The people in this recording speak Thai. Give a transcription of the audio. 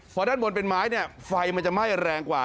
พอด้านบนเป็นไม้เนี่ยไฟมันจะไหม้แรงกว่า